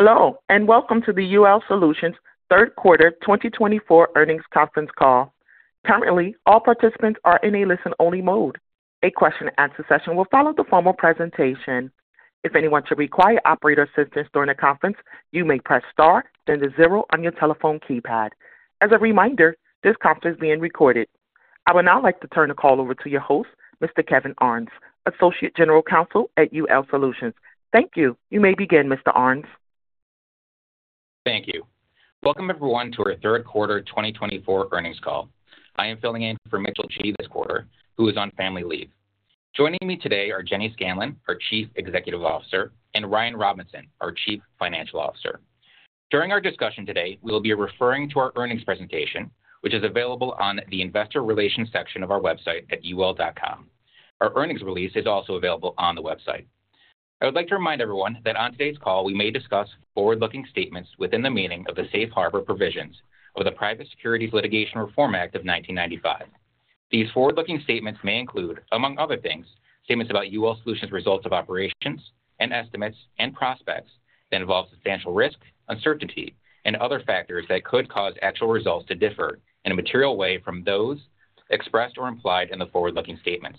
Hello, and welcome to the UL Solutions Q3 2024 earnings conference call. Currently, all participants are in a listen-only mode. A question-and-answer session will follow the formal presentation. If anyone should require operator assistance during the conference, you may press star then the zero on your telephone keypad. As a reminder, this conference is being recorded. I would now like to turn the call over to your host, Mr. Kevin Arns, Associate General Counsel at UL Solutions. Thank you. You may begin, Mr. Arns. Thank you. Welcome, everyone, to our Q3 2024 earnings call. I am filling in for Mitchell Ji this quarter, who is on family leave. Joining me today are Jenny Scanlon, our Chief Executive Officer, and Ryan Robinson, our Chief Financial Officer. During our discussion today, we will be referring to our earnings presentation, which is available on the Investor Relations section of our website at ul.com. Our earnings release is also available on the website. I would like to remind everyone that on today's call, we may discuss forward-looking statements within the meaning of the Safe Harbor Provisions of the Private Securities Litigation Reform Act of 1995. These forward-looking statements may include, among other things, statements about UL Solutions' results of operations and estimates and prospects that involve substantial risk, uncertainty, and other factors that could cause actual results to differ in a material way from those expressed or implied in the forward-looking statements.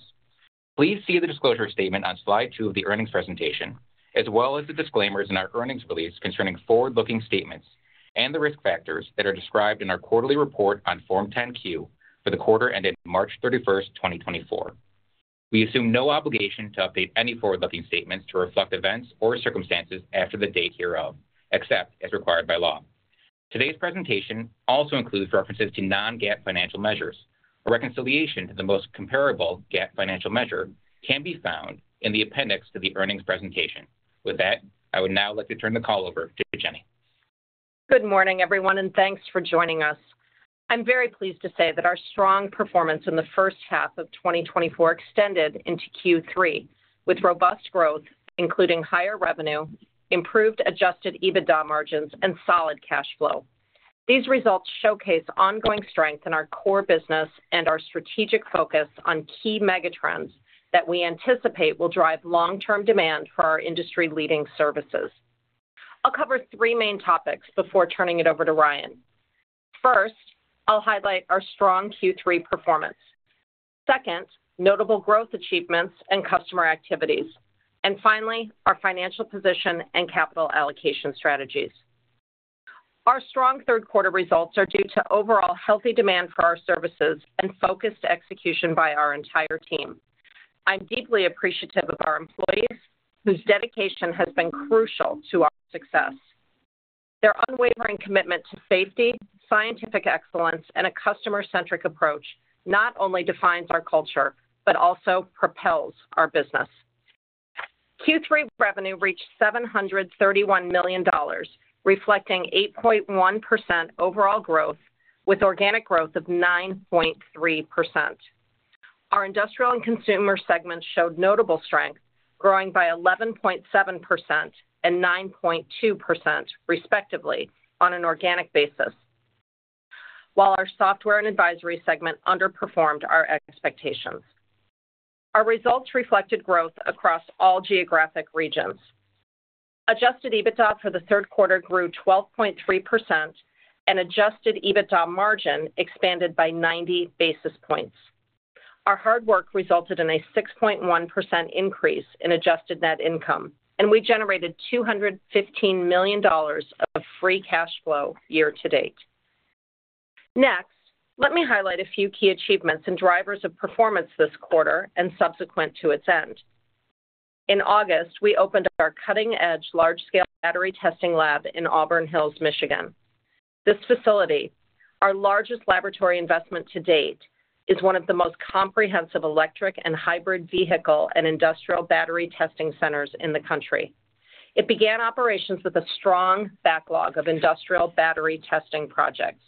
Please see the disclosure statement on slide two of the earnings presentation, as well as the disclaimers in our earnings release concerning forward-looking statements and the risk factors that are described in our quarterly report on Form 10-Q for the quarter ended March 31, 2024. We assume no obligation to update any forward-looking statements to reflect events or circumstances after the date hereof, except as required by law. Today's presentation also includes references to non-GAAP financial measures. A reconciliation to the most comparable GAAP financial measure can be found in the appendix to the earnings presentation. With that, I would now like to turn the call over to Jenny. Good morning, everyone, and thanks for joining us. I'm very pleased to say that our strong performance in the first half of 2024 extended into Q3, with robust growth, including higher revenue, improved adjusted EBITDA margins, and solid cash flow. These results showcase ongoing strength in our core business and our strategic focus on key megatrends that we anticipate will drive long-term demand for our industry-leading services. I'll cover three main topics before turning it over to Ryan. First, I'll highlight our strong Q3 performance. Second, notable growth achievements and customer activities. And finally, our financial position and capital allocation strategies. Our strong Q3 results are due to overall healthy demand for our services and focused execution by our entire team. I'm deeply appreciative of our employees, whose dedication has been crucial to our success. Their unwavering commitment to safety, scientific excellence, and a customer-centric approach not only defines our culture but also propels our business. Q3 revenue reached $731 million, reflecting 8.1% overall growth, with organic growth of 9.3%. Our industrial and consumer segments showed notable strength, growing by 11.7% and 9.2%, respectively, on an organic basis, while our software and advisory segment underperformed our expectations. Our results reflected growth across all geographic regions. Adjusted EBITDA for Q3 grew 12.3%, and adjusted EBITDA margin expanded by 90 basis points. Our hard work resulted in a 6.1% increase in adjusted net income, and we generated $215 million of free cash flow year-to-date. Next, let me highlight a few key achievements and drivers of performance this quarter and subsequent to its end. In August, we opened our cutting-edge large-scale battery testing lab in Auburn Hills, Michigan. This facility, our largest laboratory investment to date, is one of the most comprehensive electric and hybrid vehicle and industrial battery testing centers in the country. It began operations with a strong backlog of industrial battery testing projects.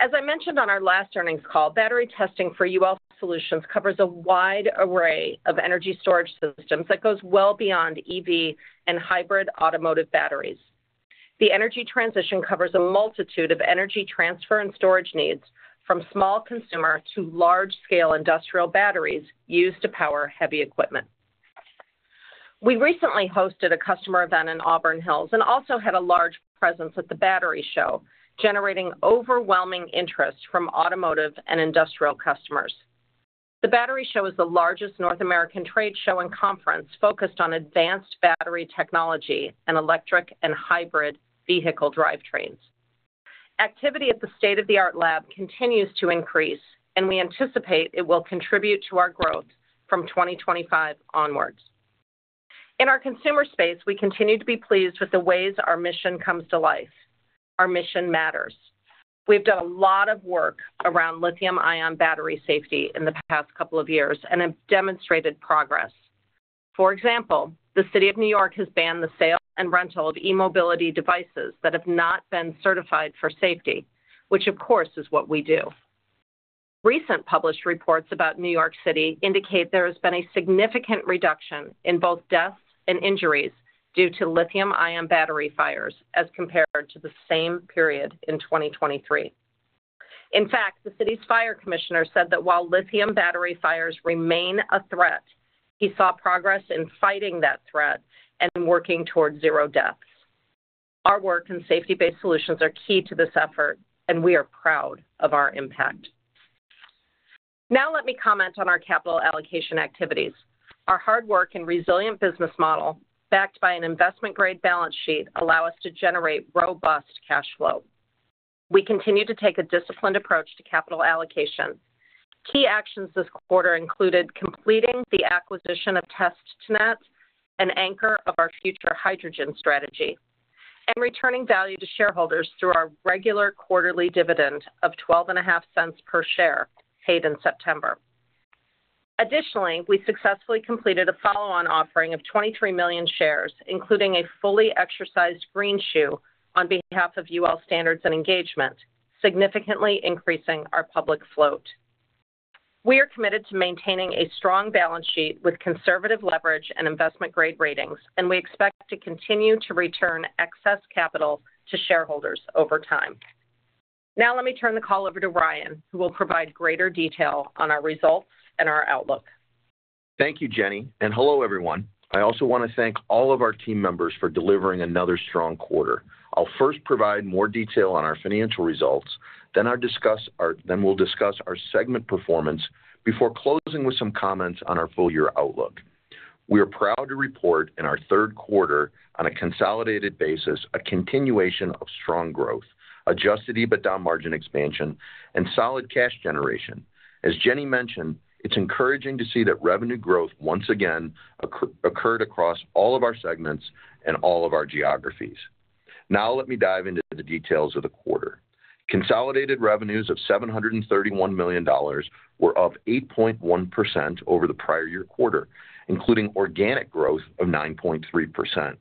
As I mentioned on our last earnings call, battery testing for UL Solutions covers a wide array of energy storage systems that goes well beyond EV and hybrid automotive batteries. The energy transition covers a multitude of energy transfer and storage needs from small consumer to large-scale industrial batteries used to power heavy equipment. We recently hosted a customer event in Auburn Hills and also had a large presence at the Battery Show, generating overwhelming interest from automotive and industrial customers. The Battery Show is the largest North American trade show and conference focused on advanced battery technology and electric and hybrid vehicle drivetrains. Activity at the state-of-the-art lab continues to increase, and we anticipate it will contribute to our growth from 2025 onwards. In our consumer space, we continue to be pleased with the ways our mission comes to life. Our mission matters. We have done a lot of work around lithium-ion battery safety in the past couple of years and have demonstrated progress. For example, the City of New York has banned the sale and rental of e-mobility devices that have not been certified for safety, which, of course, is what we do. Recent published reports about New York City indicate there has been a significant reduction in both deaths and injuries due to lithium-ion battery fires as compared to the same period in 2023. In fact, the city's fire commissioner said that while lithium battery fires remain a threat, he saw progress in fighting that threat and working toward zero deaths. Our work in safety-based solutions is key to this effort, and we are proud of our impact. Now, let me comment on our capital allocation activities. Our hard work and resilient business model, backed by an investment-grade balance sheet, allow us to generate robust cash flow. We continue to take a disciplined approach to capital allocation. Key actions this quarter included completing the acquisition of TesNet, an anchor of our future hydrogen strategy, and returning value to shareholders through our regular quarterly dividend of $0.125 per share paid in September. Additionally, we successfully completed a follow-on offering of 23 million shares, including a fully exercised greenshoe on behalf of UL Standards and Engagement, significantly increasing our public float. We are committed to maintaining a strong balance sheet with conservative leverage and investment-grade ratings, and we expect to continue to return excess capital to shareholders over time. Now, let me turn the call over to Ryan, who will provide greater detail on our results and our outlook. Thank you, Jenny, and hello, everyone. I also want to thank all of our team members for delivering another strong quarter. I'll first provide more detail on our financial results, then we'll discuss our segment performance before closing with some comments on our full-year outlook. We are proud to report in our Q3, on a consolidated basis, a continuation of strong growth, Adjusted EBITDA margin expansion, and solid cash generation. As Jenny mentioned, it's encouraging to see that revenue growth once again occurred across all of our segments and all of our geographies. Now, let me dive into the details of the quarter. Consolidated revenues of $731 million were up 8.1% over the prior year quarter, including organic growth of 9.3%.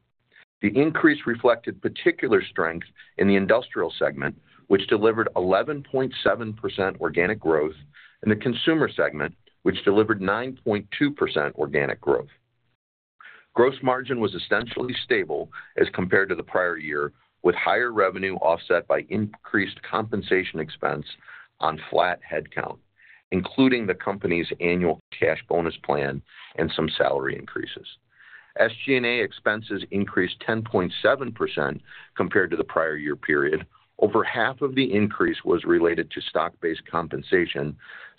The increase reflected particular strength in the industrial segment, which delivered 11.7% organic growth, and the consumer segment, which delivered 9.2% organic growth. Gross margin was essentially stable as compared to the prior year, with higher revenue offset by increased compensation expense on flat headcount, including the company's annual cash bonus plan and some salary increases. SG&A expenses increased 10.7% compared to the prior year period. Over half of the increase was related to stock-based compensation,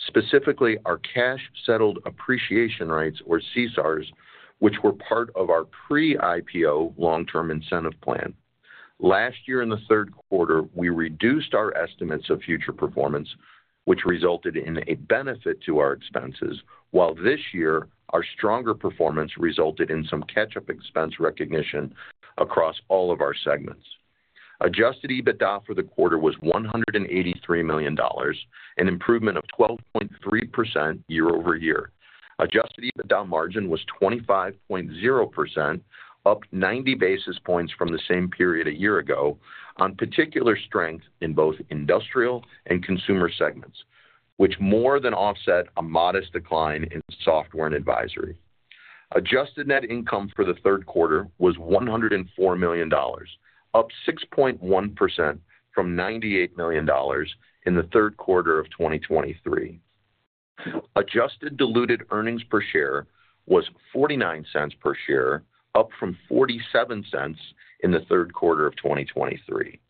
specifically our cash-settled appreciation rights, or CSRs, which were part of our pre-IPO long-term incentive plan. Last year, in Q3, we reduced our estimates of future performance, which resulted in a benefit to our expenses, while this year, our stronger performance resulted in some catch-up expense recognition across all of our segments. Adjusted EBITDA for the quarter was $183 million, an improvement of 12.3% year-over-year. Adjusted EBITDA margin was 25.0%, up 90 basis points from the same period a year ago, on particular strength in both industrial and consumer segments, which more than offset a modest decline in software and advisory. Adjusted net income for Q3 was $104 million, up 6.1% from $98 million in Q3 of 2023. Adjusted diluted earnings per share was $0.49 per share, up from $0.47 in Q3 of 2023.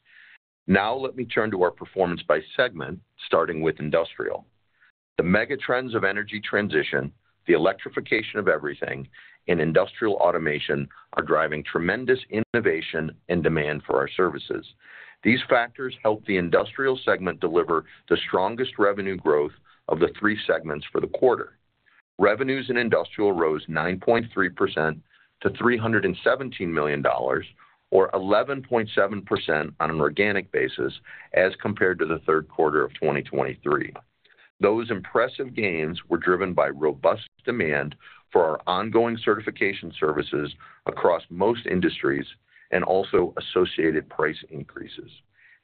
Now, let me turn to our performance by segment, starting with industrial. The Megatrends of energy transition, the electrification of everything, and industrial automation are driving tremendous innovation and demand for our services. These factors helped the industrial segment deliver the strongest revenue growth of the three segments for the quarter. Revenues in industrial rose 9.3% to $317 million, or 11.7% on an organic basis, as compared to Q3 of 2023. Those impressive gains were driven by robust demand for our ongoing certification services across most industries and also associated price increases.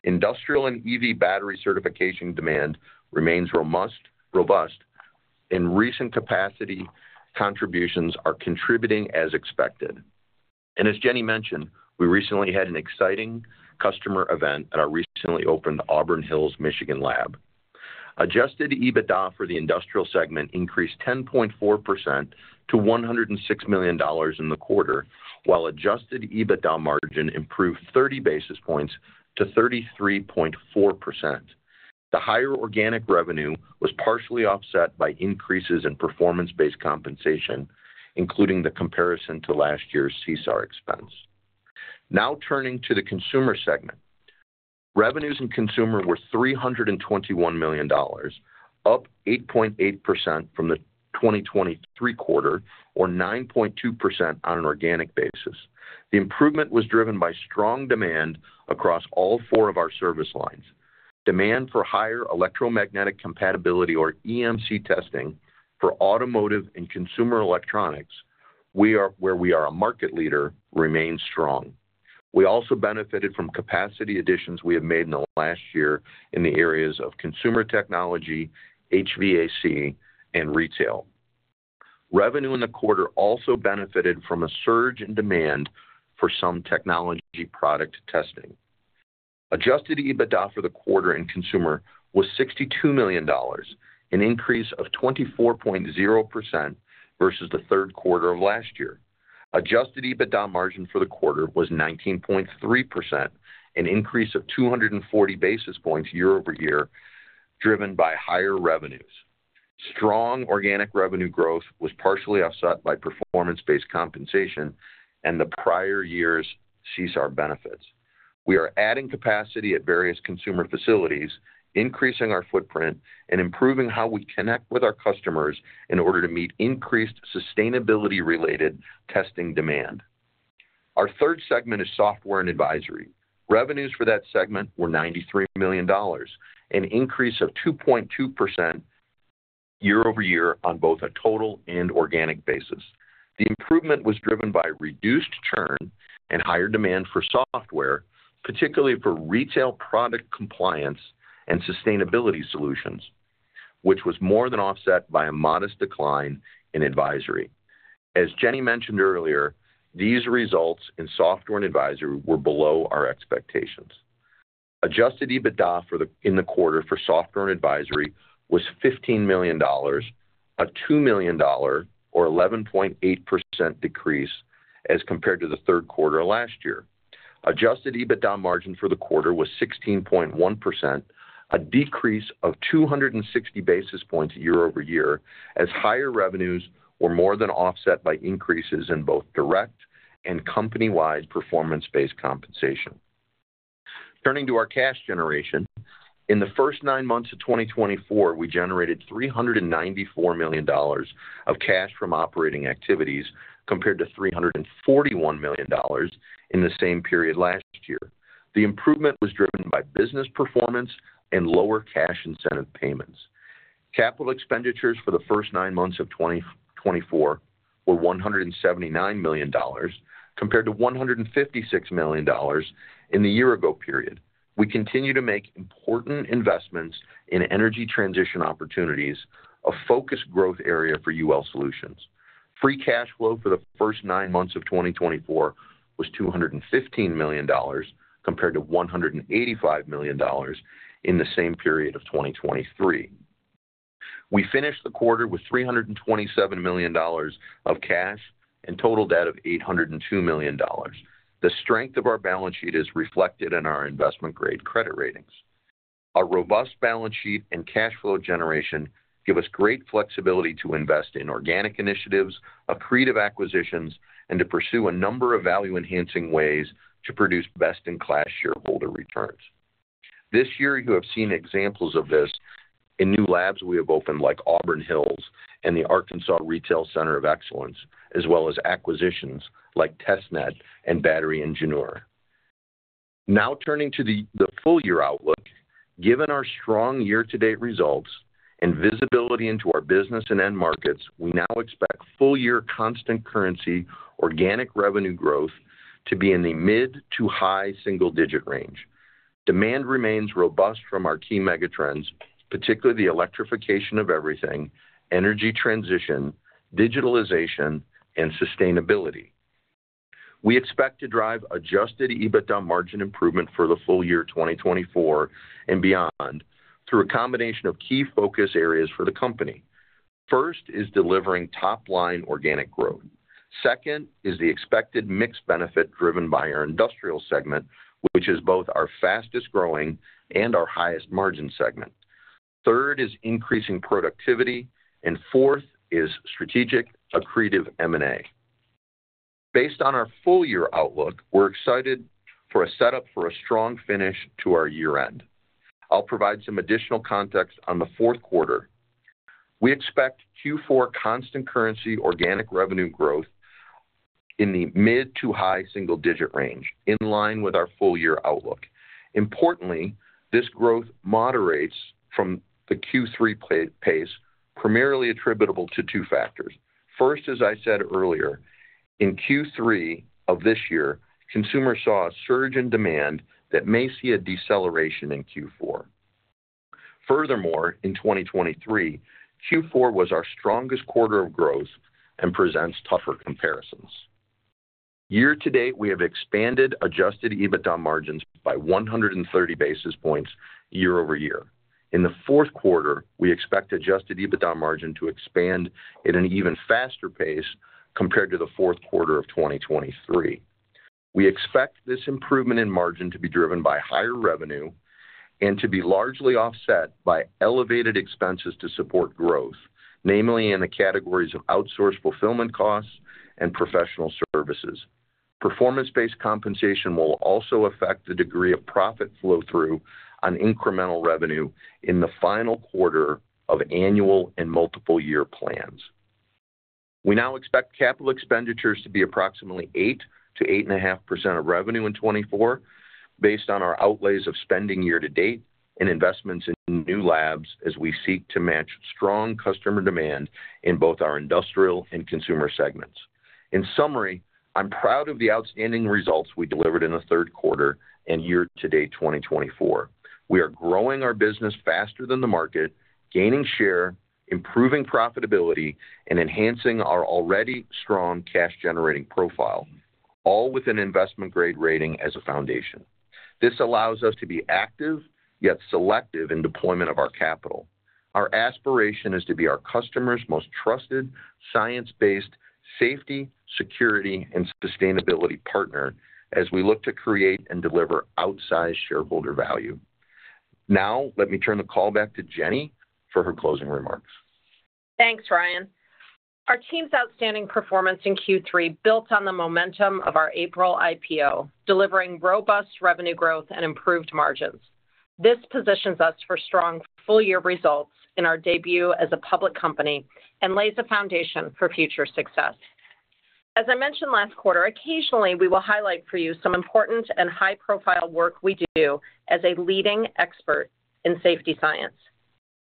Industrial and EV battery certification demand remains robust, and recent capacity contributions are contributing as expected. And as Jenny mentioned, we recently had an exciting customer event at our recently opened Auburn Hills, Michigan lab. Adjusted EBITDA for the industrial segment increased 10.4% to $106 million in the quarter, while adjusted EBITDA margin improved 30 basis points to 33.4%. The higher organic revenue was partially offset by increases in performance-based compensation, including the comparison to last year's CSR expense. Now, turning to the consumer segment. Revenues in consumer were $321 million, up 8.8% from the 2023 quarter, or 9.2% on an organic basis. The improvement was driven by strong demand across all four of our service lines. Demand for higher electromagnetic compatibility, or EMC testing, for automotive and consumer electronics, where we are a market leader, remains strong. We also benefited from capacity additions we have made in the last year in the areas of consumer technology, HVAC, and retail. Revenue in the quarter also benefited from a surge in demand for some technology product testing. Adjusted EBITDA for the quarter in consumer was $62 million, an increase of 24.0% versus Q3 of last year. Adjusted EBITDA margin for the quarter was 19.3%, an increase of 240 basis points year-over-year, driven by higher revenues. Strong organic revenue growth was partially offset by performance-based compensation and the prior year's CSR benefits. We are adding capacity at various consumer facilities, increasing our footprint, and improving how we connect with our customers in order to meet increased sustainability-related testing demand. Our third segment is software and advisory. Revenues for that segment were $93 million, an increase of 2.2% year-over-year on both a total and organic basis. The improvement was driven by reduced churn and higher demand for software, particularly for retail product compliance and sustainability solutions, which was more than offset by a modest decline in advisory. As Jenny mentioned earlier, these results in software and advisory were below our expectations. Adjusted EBITDA in the quarter for software and advisory was $15 million, a $2 million, or 11.8% decrease as compared to Q3 last year. Adjusted EBITDA margin for the quarter was 16.1%, a decrease of 260 basis points year-over-year, as higher revenues were more than offset by increases in both direct and company-wide performance-based compensation. Turning to our cash generation, in the first nine months of 2024, we generated $394 million of cash from operating activities compared to $341 million in the same period last year. The improvement was driven by business performance and lower cash incentive payments. Capital expenditures for the first nine months of 2024 were $179 million compared to $156 million in the year-ago period. We continue to make important investments in energy transition opportunities, a focused growth area for UL Solutions. Free cash flow for the first nine months of 2024 was $215 million compared to $185 million in the same period of 2023. We finished the quarter with $327 million of cash and total debt of $802 million. The strength of our balance sheet is reflected in our investment-grade credit ratings. A robust balance sheet and cash flow generation give us great flexibility to invest in organic initiatives, accretive acquisitions, and to pursue a number of value-enhancing ways to produce best-in-class shareholder returns. This year, you have seen examples of this in new labs we have opened, like Auburn Hills and the Arkansas Retail Center of Excellence, as well as acquisitions like TestNet and BATT-Ingenieur. Now, turning to the full-year outlook, given our strong year-to-date results and visibility into our business and end markets, we now expect full-year constant currency organic revenue growth to be in the mid to high single-digit range. Demand remains robust from our key Megatrends, particularly the electrification of everything, energy transition, digitalization, and sustainability. We expect to drive adjusted EBITDA margin improvement for the full year 2024 and beyond through a combination of key focus areas for the company. First is delivering top-line organic growth. Second is the expected mixed benefit driven by our industrial segment, which is both our fastest-growing and our highest-margin segment. Third is increasing productivity, and fourth is strategic accretive M&A. Based on our full-year outlook, we're excited for a setup for a strong finish to our year-end. I'll provide some additional context on the Q4. We expect Q4 constant currency organic revenue growth in the mid to high single-digit range, in line with our full-year outlook. Importantly, this growth moderates from the Q3 pace, primarily attributable to two factors. First, as I said earlier, in Q3 of this year, consumers saw a surge in demand that may see a deceleration in Q4. Furthermore, in 2023, Q4 was our strongest quarter of growth and presents tougher comparisons. Year-to-date, we have expanded adjusted EBITDA margins by 130 basis points year-over-year. In Q4, we expect adjusted EBITDA margin to expand at an even faster pace compared to Q4 of 2023. We expect this improvement in margin to be driven by higher revenue and to be largely offset by elevated expenses to support growth, namely in the categories of outsourced fulfillment costs and professional services. Performance-based compensation will also affect the degree of profit flow-through on incremental revenue in the final quarter of annual and multiple-year plans. We now expect capital expenditures to be approximately 8%-8.5% of revenue in Q4, based on our outlays of spending year-to-date and investments in new labs as we seek to match strong customer demand in both our industrial and consumer segments. In summary, I'm proud of the outstanding results we delivered in Q3 and year-to-date 2024. We are growing our business faster than the market, gaining share, improving profitability, and enhancing our already strong cash-generating profile, all with an investment-grade rating as a foundation. This allows us to be active yet selective in deployment of our capital. Our aspiration is to be our customer's most trusted, science-based safety, security, and sustainability partner as we look to create and deliver outsized shareholder value. Now, let me turn the call back to Jenny for her closing remarks. Thanks, Ryan. Our team's outstanding performance in Q3 built on the momentum of our April IPO, delivering robust revenue growth and improved margins. This positions us for strong full-year results in our debut as a public company and lays a foundation for future success. As I mentioned last quarter, occasionally we will highlight for you some important and high-profile work we do as a leading expert in safety science.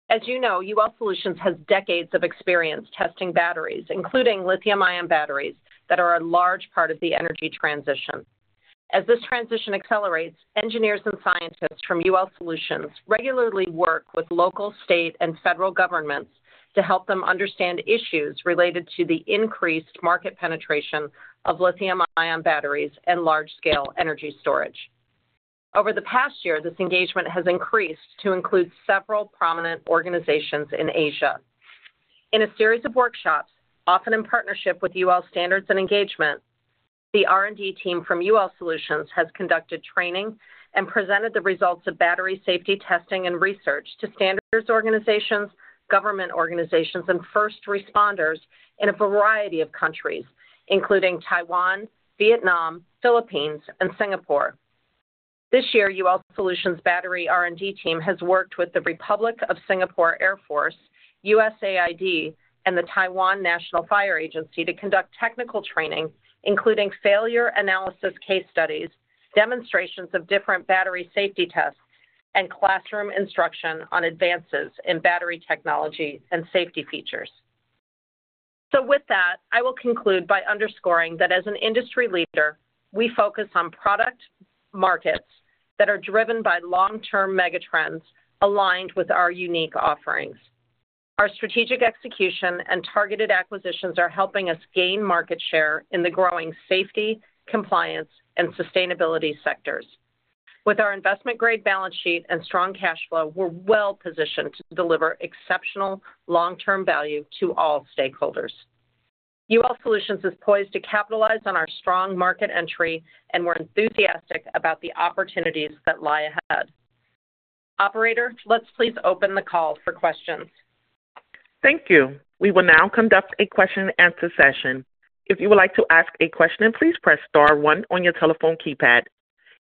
As you know, UL Solutions has decades of experience testing batteries, including lithium-ion batteries that are a large part of the energy transition. As this transition accelerates, engineers and scientists from UL Solutions regularly work with local, state, and federal governments to help them understand issues related to the increased market penetration of lithium-ion batteries and large-scale energy storage. Over the past year, this engagement has increased to include several prominent organizations in Asia. In a series of workshops, often in partnership with UL Standards and Engagement, the R&D team from UL Solutions has conducted training and presented the results of battery safety testing and research to standards organizations, government organizations, and first responders in a variety of countries, including Taiwan, Vietnam, Philippines, and Singapore. This year, UL Solutions' battery R&D team has worked with the Republic of Singapore Air Force, USAID, and the Taiwan National Fire Agency to conduct technical training, including failure analysis case studies, demonstrations of different battery safety tests, and classroom instruction on advances in battery technology and safety features. So with that, I will conclude by underscoring that as an industry leader, we focus on product markets that are driven by long-term megatrends aligned with our unique offerings. Our strategic execution and targeted acquisitions are helping us gain market share in the growing safety, compliance, and sustainability sectors. With our investment-grade balance sheet and strong cash flow, we're well-positioned to deliver exceptional long-term value to all stakeholders. UL Solutions is poised to capitalize on our strong market entry, and we're enthusiastic about the opportunities that lie ahead. Operator, let's please open the call for questions. Thank you. We will now conduct a question-and-answer session. If you would like to ask a question, please press Star 1 on your telephone keypad.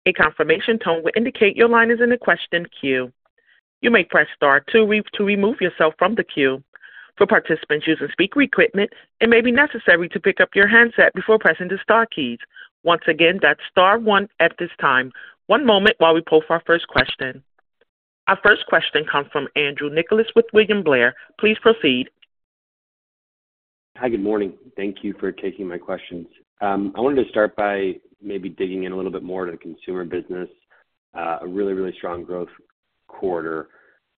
A confirmation tone will indicate your line is in the question queue. You may press Star 2 to remove yourself from the queue. For participants using speaker equipment, it may be necessary to pick up your handset before pressing the Star keys. Once again, that's Star 1 at this time. One moment while we pull for our first question. Our first question comes from Andrew Nicholas with William Blair. Please proceed. Hi, good morning. Thank you for taking my questions. I wanted to start by maybe digging in a little bit more to the consumer business, a really, really strong growth quarter.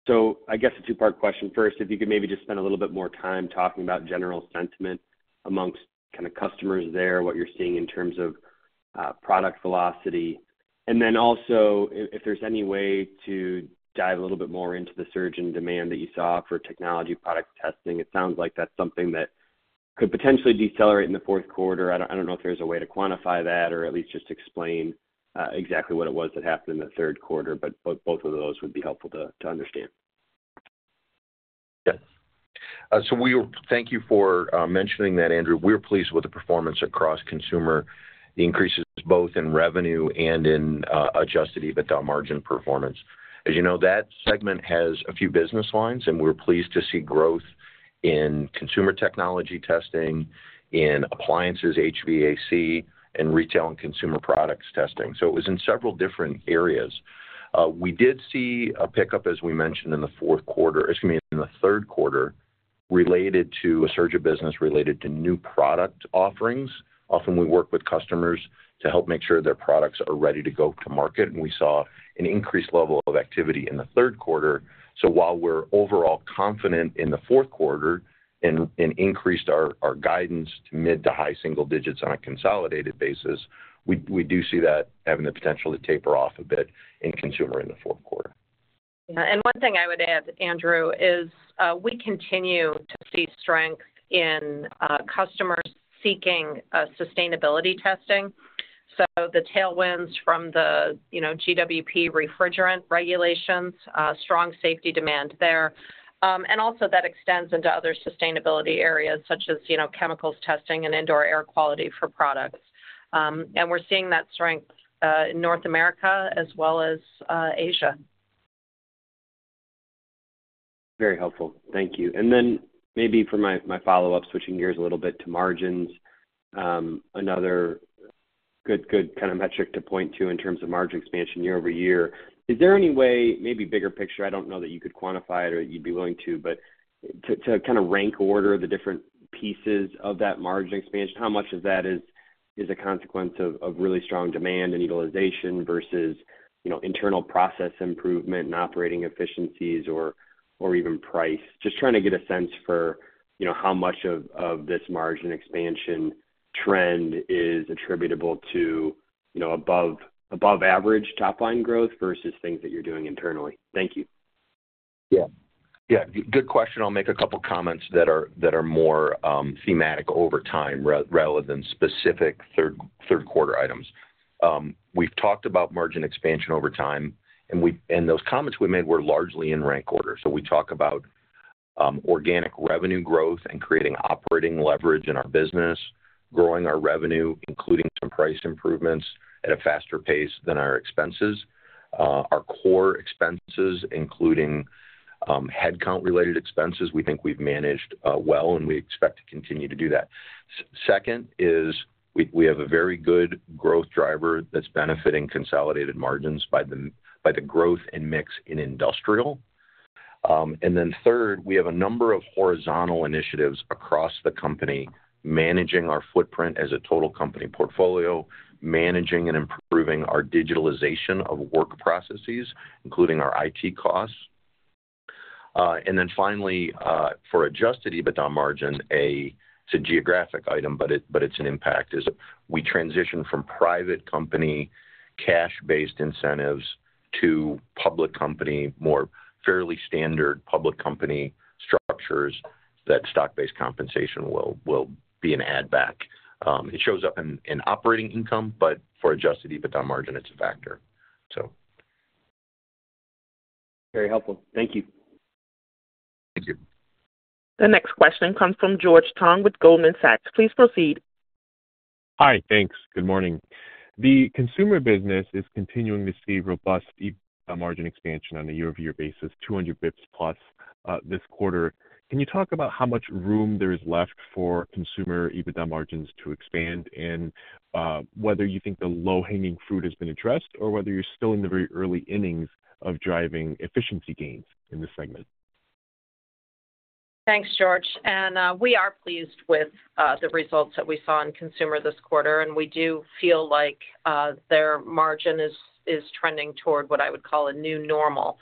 So I guess a two-part question. First, if you could maybe just spend a little bit more time talking about general sentiment among kind of customers there, what you're seeing in terms of product velocity. And then also, if there's any way to dive a little bit more into the surge in demand that you saw for technology product testing, it sounds like that's something that could potentially decelerate in the fourth quarter. I don't know if there's a way to quantify that or at least just explain exactly what it was that happened in the third quarter, but both of those would be helpful to understand. Yes. So thank you for mentioning that, Andrew. We're pleased with the performance across consumer, the increases both in revenue and in Adjusted EBITDA margin performance. As you know, that segment has a few business lines, and we're pleased to see growth in consumer technology testing, in appliances, HVAC, and retail and consumer products testing. So it was in several different areas. We did see a pickup, as we mentioned, in the fourth quarter, excuse me, in the third quarter, related to a surge of business related to new product offerings. Often, we work with customers to help make sure their products are ready to go to market, and we saw an increased level of activity in the third quarter. So while we're overall confident in the fourth quarter and increased our guidance to mid to high single digits on a consolidated basis, we do see that having the potential to taper off a bit in consumer in the fourth quarter. Yeah. One thing I would add, Andrew, is we continue to see strength in customers seeking sustainability testing. So the tailwinds from the GWP refrigerant regulations, strong safety demand there, and also that extends into other sustainability areas such as chemicals testing and indoor air quality for products. And we're seeing that strength in North America as well as Asia. Very helpful. Thank you. And then maybe for my follow-up, switching gears a little bit to margins, another good kind of metric to point to in terms of margin expansion year-over-year. Is there any way, maybe bigger picture, I don't know that you could quantify it or you'd be willing to, but to kind of rank order the different pieces of that margin expansion? How much of that is a consequence of really strong demand and utilization versus internal process improvement and operating efficiencies or even price? Just trying to get a sense for how much of this margin expansion trend is attributable to above-average top-line growth versus things that you're doing internally? Thank you. Yeah. Yeah. Good question. I'll make a couple of comments that are more thematic over time rather than specific third-quarter items. We've talked about margin expansion over time, and those comments we made were largely in rank order. So we talk about organic revenue growth and creating operating leverage in our business, growing our revenue, including some price improvements at a faster pace than our expenses. Our core expenses, including headcount-related expenses, we think we've managed well, and we expect to continue to do that. Second is we have a very good growth driver that's benefiting consolidated margins by the growth and mix in industrial. And then third, we have a number of horizontal initiatives across the company managing our footprint as a total company portfolio, managing and improving our digitalization of work processes, including our IT costs. And then finally, for adjusted EBITDA margin, a geographic item, but it's an impact, is we transition from private company cash-based incentives to public company, more fairly standard public company structures that stock-based compensation will be an add-back. It shows up in operating income, but for adjusted EBITDA margin, it's a factor, so. Very helpful. Thank you. Thank you. The next question comes from George Tong with Goldman Sachs. Please proceed. Hi. Thanks. Good morning. The consumer business is continuing to see robust EBITDA margin expansion on a year-over-year basis, 200 basis points plus this quarter. Can you talk about how much room there is left for consumer EBITDA margins to expand and whether you think the low-hanging fruit has been addressed or whether you're still in the very early innings of driving efficiency gains in this segment? Thanks, George. And we are pleased with the results that we saw in consumer this quarter, and we do feel like their margin is trending toward what I would call a new normal.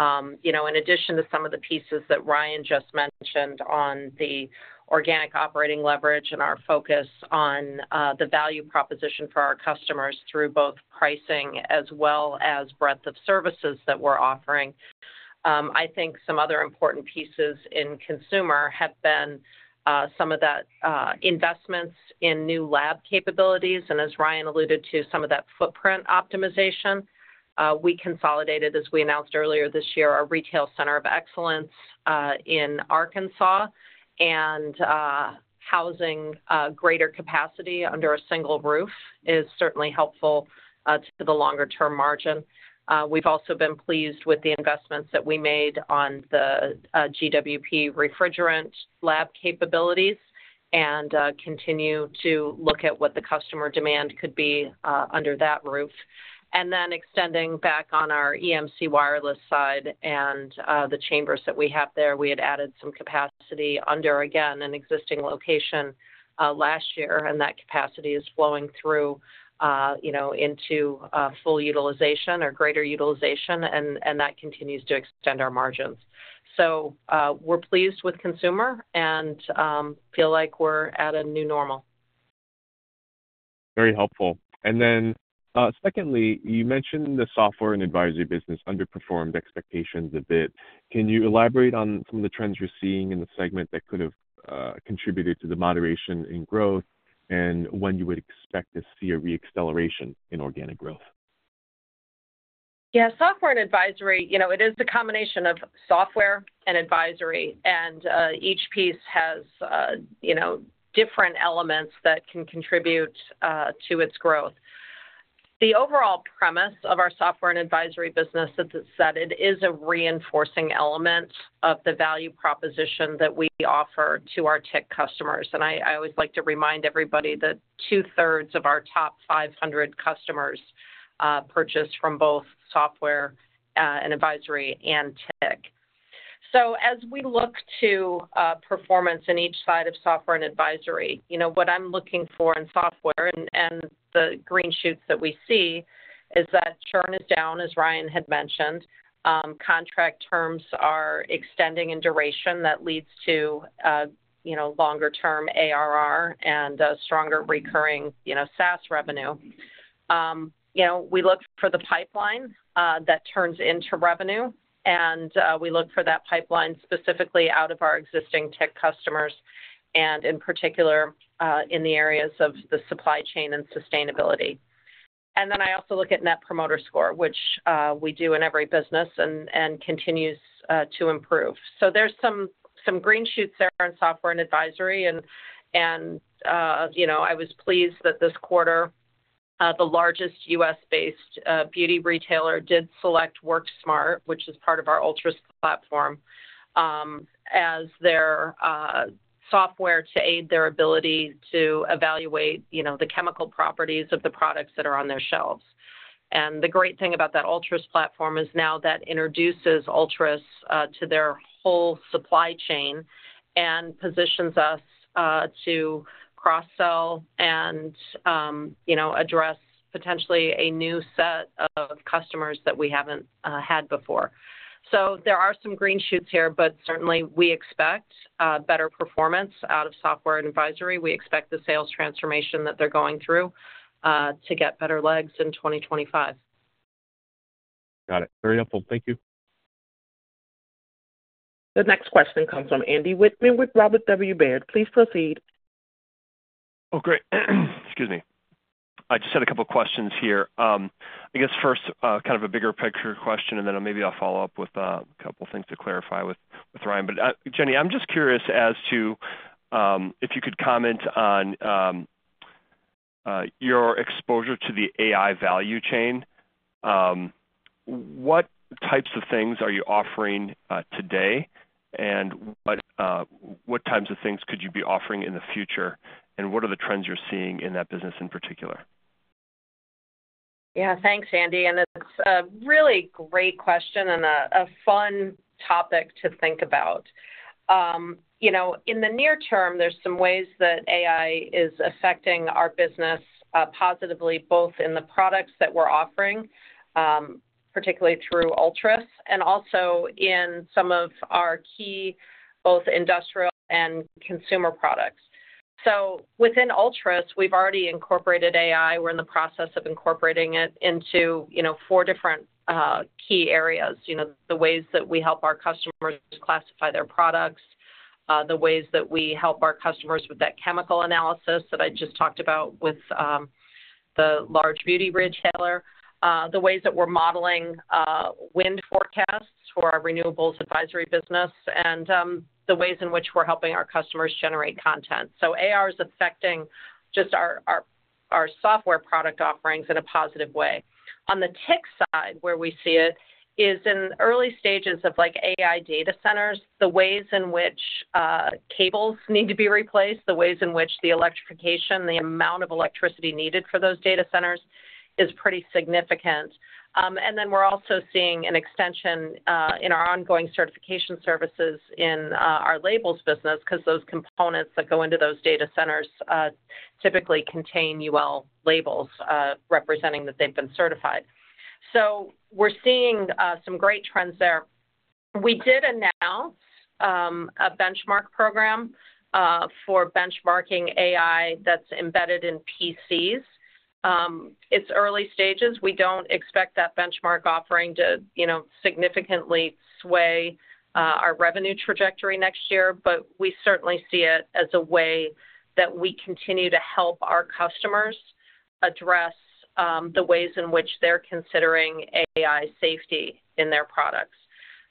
In addition to some of the pieces that Ryan just mentioned on the organic operating leverage and our focus on the value proposition for our customers through both pricing as well as breadth of services that we're offering, I think some other important pieces in consumer have been some of that investments in new lab capabilities. And as Ryan alluded to, some of that footprint optimization. We consolidated, as we announced earlier this year, our retail center of excellence in Arkansas, and housing greater capacity under a single roof is certainly helpful to the longer-term margin. We've also been pleased with the investments that we made on the GWP refrigerant lab capabilities and continue to look at what the customer demand could be under that roof, and then extending back on our EMC wireless side and the chambers that we have there, we had added some capacity under, again, an existing location last year, and that capacity is flowing through into full utilization or greater utilization, and that continues to extend our margins, so we're pleased with consumer and feel like we're at a new normal. Very helpful, and then secondly, you mentioned the software and advisory business underperformed expectations a bit. Can you elaborate on some of the trends you're seeing in the segment that could have contributed to the moderation in growth and when you would expect to see a re-acceleration in organic growth? Yeah. Software and advisory, it is the combination of software and advisory, and each piece has different elements that can contribute to its growth. The overall premise of our software and advisory business that's at its best is a reinforcing element of the value proposition that we offer to our tech customers. And I always like to remind everybody that two-thirds of our top 500 customers purchase from both software and advisory and tech. So as we look to performance in each side of software and advisory, what I'm looking for in software and the green shoots that we see is that churn is down, as Ryan had mentioned. Contract terms are extending in duration. That leads to longer-term ARR and stronger recurring SaaS revenue. We look for the pipeline that turns into revenue, and we look for that pipeline specifically out of our existing tech customers and in particular in the areas of the supply chain and sustainability, and then I also look at Net Promoter Score, which we do in every business and continues to improve, so there's some green shoots there in software and advisory, and I was pleased that this quarter the largest U.S.-based beauty retailer did select WERCSmart, which is part of our ULTRUS platform, as their software to aid their ability to evaluate the chemical properties of the products that are on their shelves. The great thing about that ULTRUS platform is now that introduces ULTRUS to their whole supply chain and positions us to cross-sell and address potentially a new set of customers that we haven't had before. So there are some green shoots here, but certainly we expect better performance out of software and advisory. We expect the sales transformation that they're going through to get better legs in 2025. Got it. Very helpful. Thank you. The next question comes from Andy Whittmann with Robert W. Baird. Please proceed. Oh, great. Excuse me. I just had a couple of questions here. I guess first, kind of a bigger picture question, and then maybe I'll follow up with a couple of things to clarify with Ryan. But Jenny, I'm just curious as to if you could comment on your exposure to the AI value chain. What types of things are you offering today, and what types of things could you be offering in the future, and what are the trends you're seeing in that business in particular? Yeah. Thanks, Andy. And it's a really great question and a fun topic to think about. In the near term, there's some ways that AI is affecting our business positively, both in the products that we're offering, particularly through ULTRUS, and also in some of our key both industrial and consumer products. So within ULTRUS, we've already incorporated AI. We're in the process of incorporating it into four different key areas: the ways that we help our customers classify their products, the ways that we help our customers with that chemical analysis that I just talked about with the large beauty retailer, the ways that we're modeling wind forecasts for our renewables advisory business, and the ways in which we're helping our customers generate content. So AR is affecting just our software product offerings in a positive way. On the tech side, where we see it is in early stages of AI data centers, the ways in which cables need to be replaced, the ways in which the electrification, the amount of electricity needed for those data centers is pretty significant. And then we're also seeing an extension in our ongoing certification services in our labels business because those components that go into those data centers typically contain UL labels representing that they've been certified. So we're seeing some great trends there. We did announce a benchmark program for benchmarking AI that's embedded in PCs. It's early stages. We don't expect that benchmark offering to significantly sway our revenue trajectory next year, but we certainly see it as a way that we continue to help our customers address the ways in which they're considering AI safety in their products.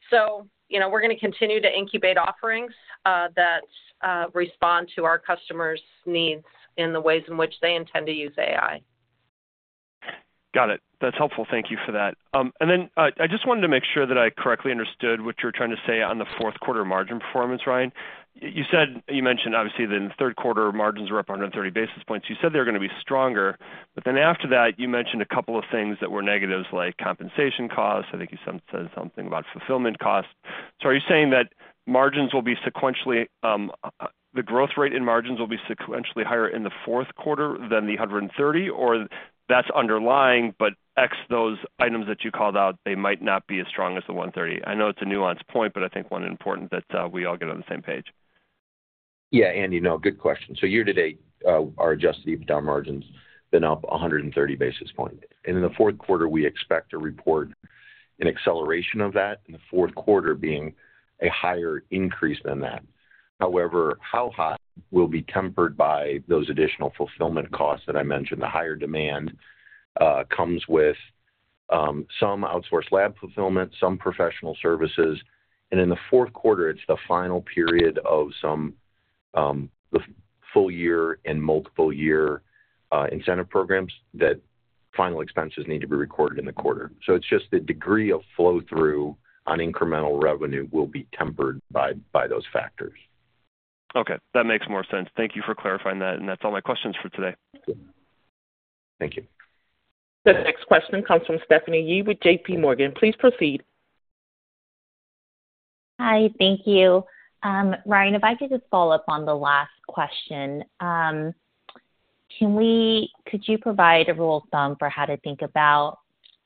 So we're going to continue to incubate offerings that respond to our customers' needs in the ways in which they intend to use AI. Got it. That's helpful. Thank you for that. And then I just wanted to make sure that I correctly understood what you're trying to say on the fourth quarter margin performance, Ryan. You mentioned, obviously, that in the third quarter, margins were up 130 basis points. You said they were going to be stronger, but then after that, you mentioned a couple of things that were negatives like compensation costs. I think you said something about fulfillment costs. So are you saying that margins will be sequentially the growth rate in margins will be sequentially higher in the fourth quarter than the 130, or that's underlying, but ex those items that you called out, they might not be as strong as the 130? I know it's a nuanced point, but I think one important that we all get on the same page. Yeah. Andy, no, good question. Year to date, our adjusted EBITDA margins have been up 130 basis points. In the fourth quarter, we expect to report an acceleration of that, and the fourth quarter being a higher increase than that. However, how high will be tempered by those additional fulfillment costs that I mentioned. The higher demand comes with some outsourced lab fulfillment, some professional services, and in the fourth quarter, it is the final period of some full-year and multiple-year incentive programs that final expenses need to be recorded in the quarter. So it is just the degree of flow-through on incremental revenue will be tempered by those factors. Okay. That makes more sense. Thank you for clarifying that, and that is all my questions for today. Thank you. The next question comes from Stephanie Yee with J.P. Morgan. Please proceed. Hi. Thank you. Ryan, if I could just follow up on the last question. Could you provide a rule of thumb for how to think about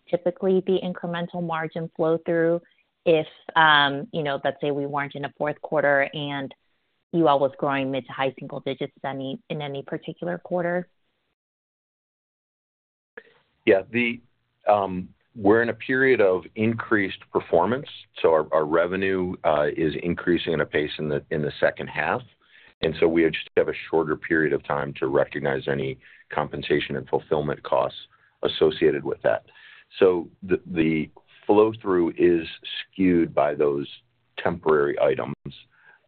typically the incremental margin flow-through if, let's say, we weren't in a fourth quarter and UL was growing mid to high single digits in any particular quarter? Yeah. We're in a period of increased performance, so our revenue is increasing at a pace in the second half, and so we just have a shorter period of time to recognize any compensation and fulfillment costs associated with that. So the flow-through is skewed by those temporary items,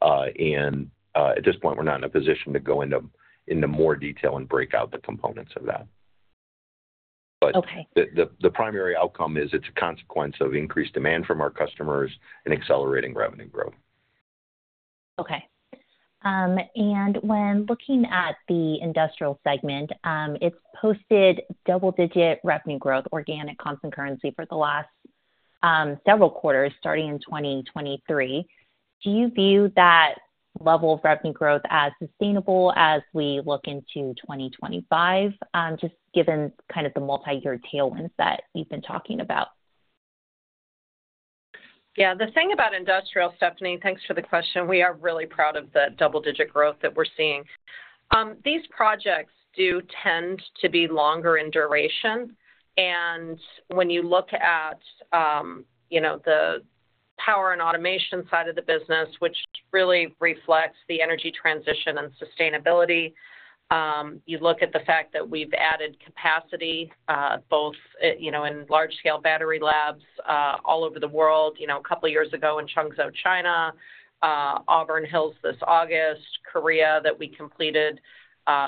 and at this point, we're not in a position to go into more detail and break out the components of that. But the primary outcome is it's a consequence of increased demand from our customers and accelerating revenue growth. Okay. And when looking at the industrial segment, it's posted double-digit revenue growth, organic constant currency for the last several quarters starting in 2023. Do you view that level of revenue growth as sustainable as we look into 2025, just given kind of the multi-year tailwinds that you've been talking about? Yeah. The thing about industrial, Stephanie, thanks for the question. We are really proud of the double-digit growth that we're seeing. These projects do tend to be longer in duration, and when you look at the power and automation side of the business, which really reflects the energy transition and sustainability, you look at the fact that we've added capacity both in large-scale battery labs all over the world a couple of years ago in Changzhou, China, Auburn Hills this August, Korea that we completed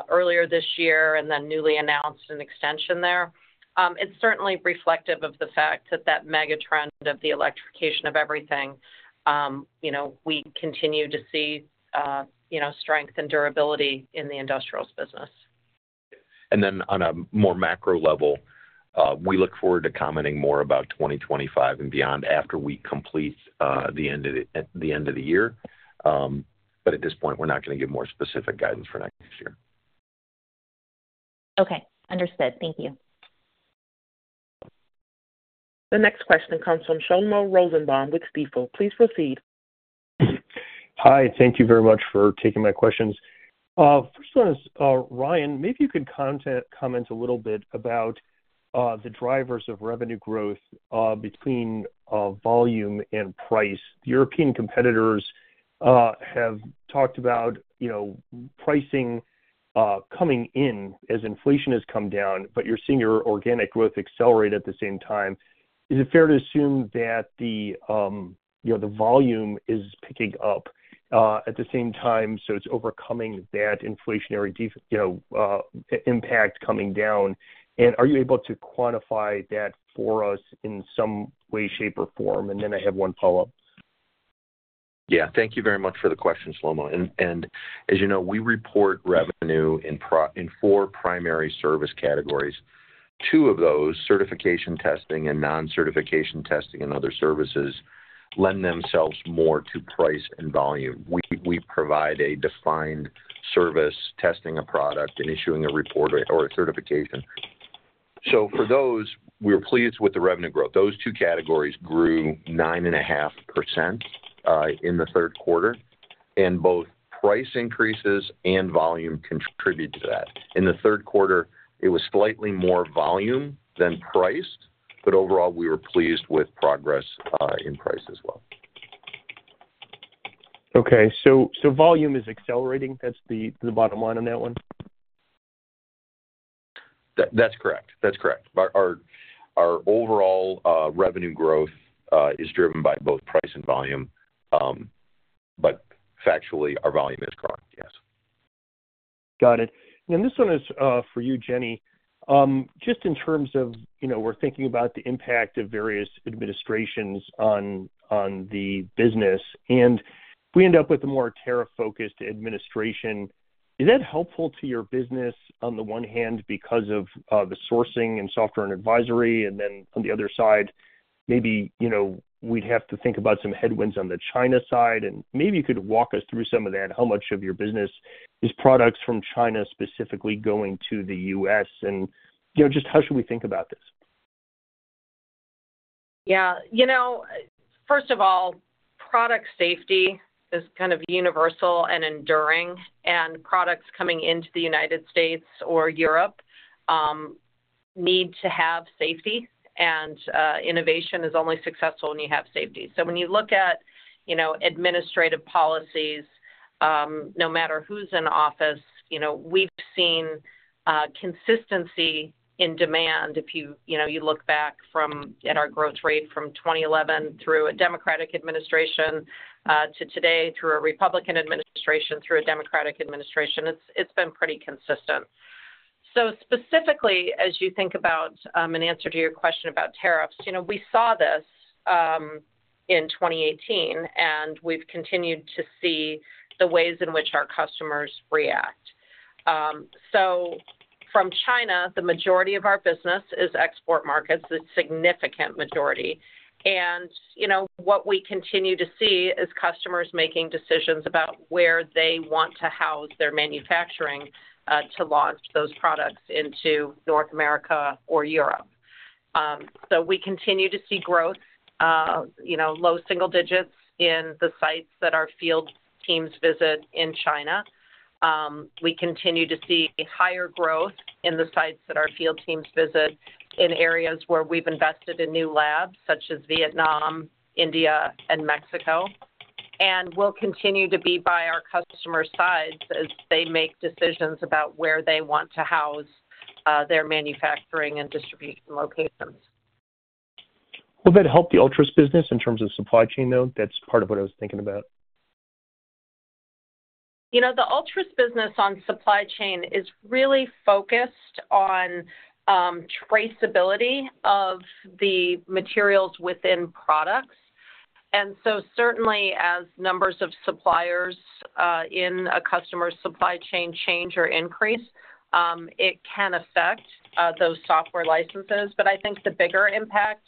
earlier this year, and then newly announced an extension there. It's certainly reflective of the fact that that mega trend of the electrification of everything, we continue to see strength and durability in the industrials business. And then on a more macro level, we look forward to commenting more about 2025 and beyond after we complete the end of the year, but at this point, we're not going to give more specific guidance for next year. Okay. Understood. Thank you. The next question comes from Shlomo Rosenbaum with Stifel. Please proceed. Hi. Thank you very much for taking my questions. First one is, Ryan, maybe you could comment a little bit about the drivers of revenue growth between volume and price. European competitors have talked about pricing coming in as inflation has come down, but you're seeing your organic growth accelerate at the same time. Is it fair to assume that the volume is picking up at the same time, so it's overcoming that inflationary impact coming down? And are you able to quantify that for us in some way, shape, or form? And then I have one follow-up. Yeah. Thank you very much for the question, Shlomo. And as you know, we report revenue in four primary service categories. Two of those, certification testing and non-certification testing and other services, lend themselves more to price and volume. We provide a defined service, testing a product and issuing a report or a certification. So for those, we're pleased with the revenue growth. Those two categories grew 9.5% in the third quarter, and both price increases and volume contribute to that. In the third quarter, it was slightly more volume than price, but overall, we were pleased with progress in price as well. Okay. So volume is accelerating. That's the bottom line on that one? That's correct. That's correct. Our overall revenue growth is driven by both price and volume, but factually, our volume is growing, yes. Got it. And this one is for you, Jenny. Just in terms of we're thinking about the impact of various administrations on the business, and we end up with a more tariff-focused administration. Is that helpful to your business on the one hand because of the sourcing and software and advisory, and then on the other side, maybe we'd have to think about some headwinds on the China side? And maybe you could walk us through some of that. How much of your business is products from China specifically going to the U.S., and just how should we think about this? Yeah. First of all, product safety is kind of universal and enduring, and products coming into the United States or Europe need to have safety, and innovation is only successful when you have safety. So when you look at administrative policies, no matter who's in office, we've seen consistency in demand. If you look back at our growth rate from 2011 through a Democratic administration to today through a Republican administration through a Democratic administration, it's been pretty consistent. So specifically, as you think about an answer to your question about tariffs, we saw this in 2018, and we've continued to see the ways in which our customers react. So from China, the majority of our business is export markets, the significant majority. And what we continue to see is customers making decisions about where they want to house their manufacturing to launch those products into North America or Europe. So we continue to see growth, low single digits in the sites that our field teams visit in China. We continue to see higher growth in the sites that our field teams visit in areas where we've invested in new labs such as Vietnam, India, and Mexico. And we'll continue to be by our customer's sides as they make decisions about where they want to house their manufacturing and distribution locations. Will that help the ULTRUS business in terms of supply chain though? That's part of what I was thinking about. The ULTRUS business on supply chain is really focused on traceability of the materials within products. And so certainly, as numbers of suppliers in a customer's supply chain change or increase, it can affect those software licenses. But I think the bigger impact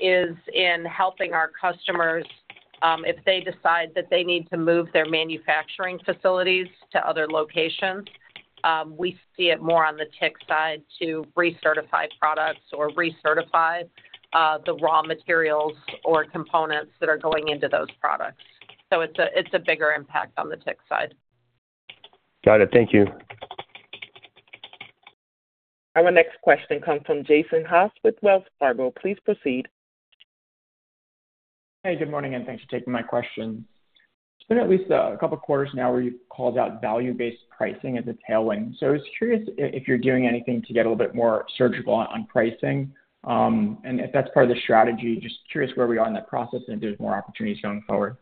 is in helping our customers if they decide that they need to move their manufacturing facilities to other locations. We see it more on the tech side to recertify products or recertify the raw materials or components that are going into those products. So it's a bigger impact on the tech side. Got it. Thank you. And the next question comes from Jason Haas with Wells Fargo. Please proceed. Hey, good morning, and thanks for taking my question. It's been at least a couple of quarters now where you've called out value-based pricing as a tailwind. So I was curious if you're doing anything to get a little bit more surgical on pricing, and if that's part of the strategy, just curious where we are in that process and if there's more opportunities going forward.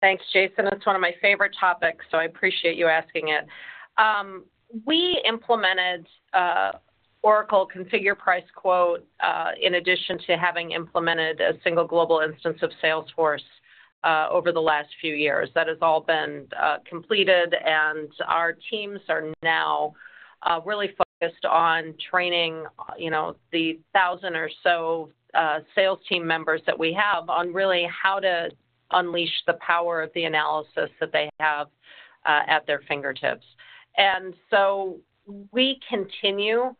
Thanks, Jason. It's one of my favorite topics, so I appreciate you asking it. We implemented Oracle Configure, Price, Quote in addition to having implemented a single global instance of Salesforce over the last few years. That has all been completed, and our teams are now really focused on training the thousand or so sales team members that we have on really how to unleash the power of the analysis that they have at their fingertips. And so we continue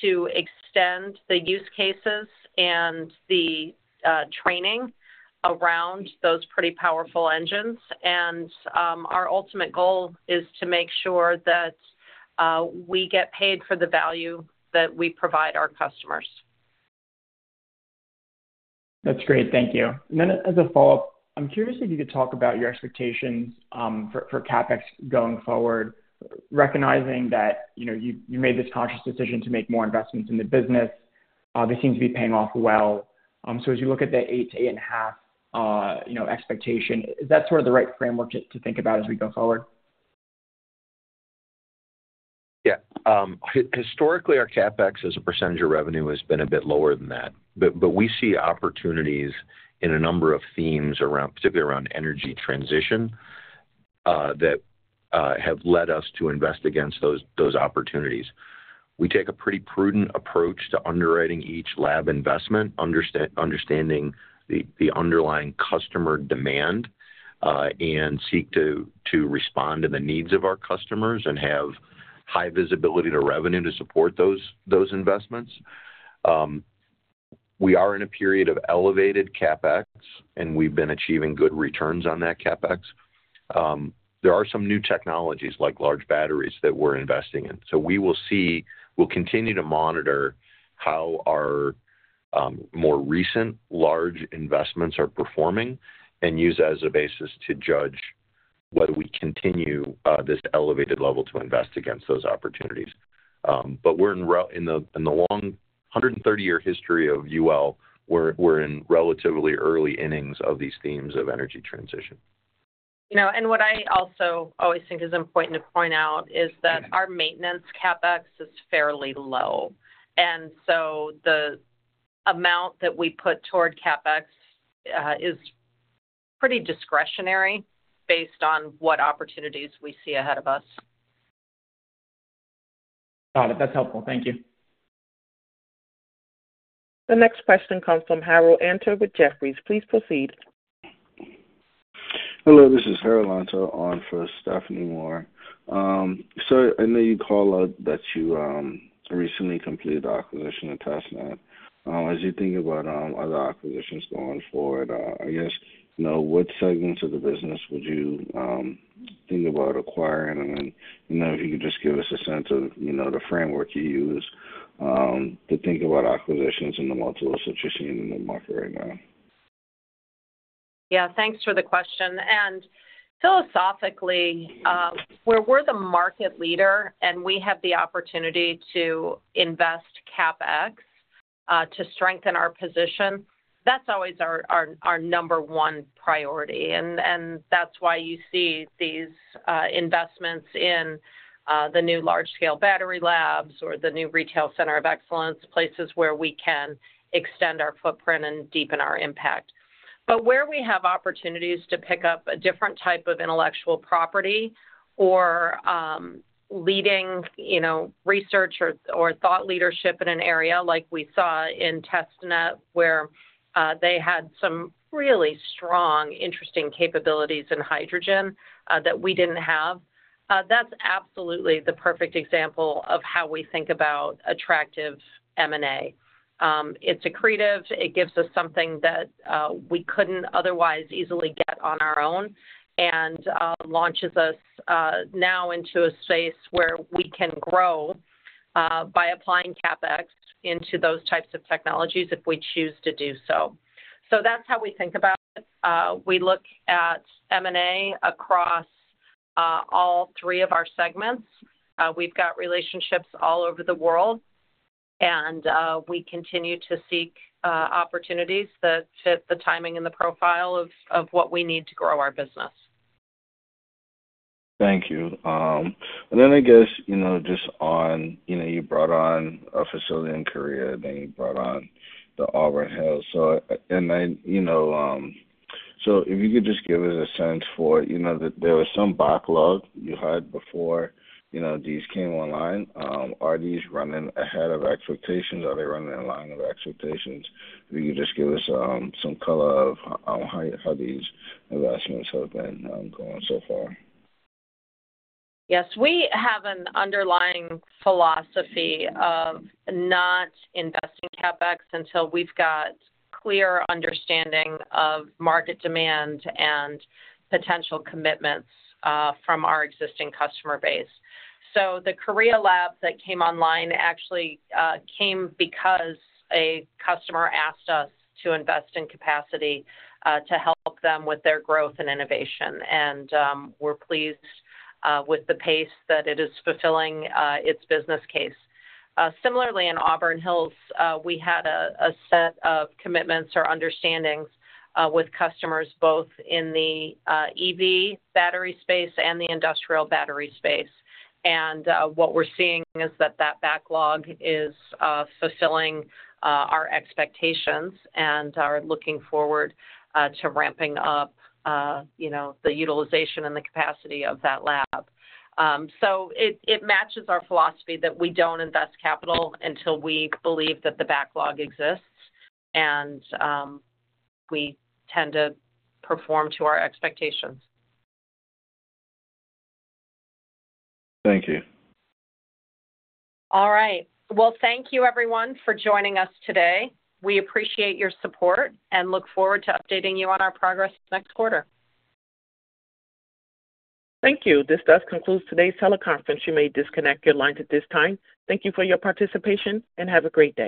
to extend the use cases and the training around those pretty powerful engines, and our ultimate goal is to make sure that we get paid for the value that we provide our customers. That's great. Thank you. And then as a follow-up, I'm curious if you could talk about your expectations for CapEx going forward, recognizing that you made this conscious decision to make more investments in the business. They seem to be paying off well. So as you look at the 8%-8.5% expectation, is that sort of the right framework to think about as we go forward? Yeah. Historically, our CapEx as a percentage of revenue has been a bit lower than that, but we see opportunities in a number of themes, particularly around energy transition, that have led us to invest against those opportunities. We take a pretty prudent approach to underwriting each lab investment, understanding the underlying customer demand, and seek to respond to the needs of our customers and have high visibility to revenue to support those investments. We are in a period of elevated CapEx, and we've been achieving good returns on that CapEx. There are some new technologies like large batteries that we're investing in, so we will continue to monitor how our more recent large investments are performing and use as a basis to judge whether we continue this elevated level to invest against those opportunities. But we're in the long 130-year history of UL. We're in relatively early innings of these themes of energy transition. And what I also always think is important to point out is that our maintenance CapEx is fairly low, and so the amount that we put toward CapEx is pretty discretionary based on what opportunities we see ahead of us. Got it. That's helpful. Thank you. The next question comes from Harold Antor with Jefferies. Please proceed. Hello. This is Harold Antor on for Stephanie Moore. So I know you called out that you recently completed the acquisition of Testnet. As you think about other acquisitions going forward, I guess, what segments of the business would you think about acquiring? And then if you could just give us a sense of the framework you use to think about acquisitions and the multiples that you're seeing in the market right now. Yeah. Thanks for the question. And philosophically, where we're the market leader and we have the opportunity to invest CapEx to strengthen our position, that's always our number one priority. And that's why you see these investments in the new large-scale battery labs or the new Retail Center of Excellence, places where we can extend our footprint and deepen our impact. But where we have opportunities to pick up a different type of intellectual property or leading research or thought leadership in an area like we saw in Tesnet, where they had some really strong, interesting capabilities in hydrogen that we didn't have, that's absolutely the perfect example of how we think about attractive M&A. It's accretive. It gives us something that we couldn't otherwise easily get on our own and launches us now into a space where we can grow by applying CapEx into those types of technologies if we choose to do so. So that's how we think about it. We look at M&A across all three of our segments. We've got relationships all over the world, and we continue to seek opportunities that fit the timing and the profile of what we need to grow our business. Thank you. And then I guess just on you brought on a facility in Korea, then you brought on the Auburn Hills. And so if you could just give us a sense for there was some backlog you had before these came online. Are these running ahead of expectations? Are they running in line of expectations? If you could just give us some color of how these investments have been going so far. Yes. We have an underlying philosophy of not investing CapEx until we've got clear understanding of market demand and potential commitments from our existing customer base. So the Korea lab that came online actually came because a customer asked us to invest in capacity to help them with their growth and innovation. And we're pleased with the pace that it is fulfilling its business case. Similarly, in Auburn Hills, we had a set of commitments or understandings with customers both in the EV battery space and the industrial battery space. And what we're seeing is that that backlog is fulfilling our expectations and are looking forward to ramping up the utilization and the capacity of that lab. So it matches our philosophy that we don't invest capital until we believe that the backlog exists, and we tend to perform to our expectations. Thank you. All right. Well, thank you, everyone, for joining us today. We appreciate your support and look forward to updating you on our progress next quarter. Thank you. This does conclude today's teleconference. You may disconnect your lines at this time. Thank you for your participation and have a great day.